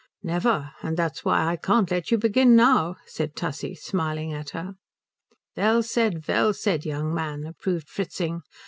"Never. And that's why I can't let you begin now," said Tussie, smiling at her. "Well said, well said, young man," approved Fritzing.